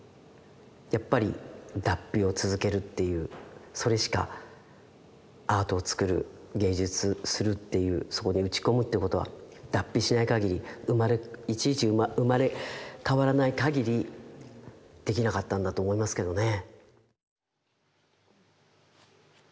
やっぱり脱皮を続けるっていうそれしかアートをつくる芸術するっていうそこに打ち込むってことは脱皮しないかぎりいちいち生まれ変わらないかぎりできなかったんだと思いますけどね。